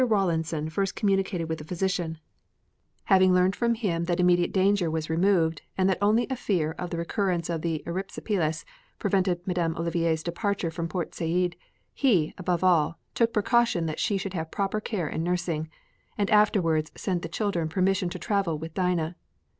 Rawlinson first communicated with the physician; having learned from him that immediate danger was removed and that only a fear of the recurrence of erysipelas prevented Madame Olivier's departure from Port Said, he, above all, took precaution that she should have proper care and nursing, and afterwards sent the children permission to travel with Dinah.